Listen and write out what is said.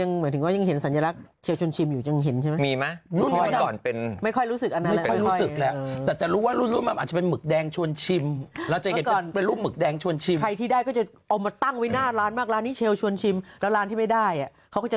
ยังเหมือนถึงว่ายังเห็นสัญลักษณ์เชียวชวนชิมอยู่จังเห็นใช่ไหมมีมะรุ่นที่ก่อนเป็นไม่ค่อยรู้สึกอันนั้นแหละไม่ค่อยรู้สึกแล้วแต่จะรู้ว่ารุ่นรุ่นอาจจะเป็นหมึกแดงชวนชิมแล้วจะเห็นเป็นรูปหมึกแดงชวนชิมใครที่ได้ก็จะเอามาตั้งไว้หน้าร้านมากร้านนี้เชียวชวนชิมแล้วร้านที่ไม่ได้อ่ะ